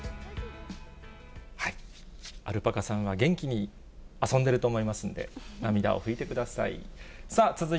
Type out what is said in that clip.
アルパカさんは元気に遊んでると思いますんで、涙を拭いてください。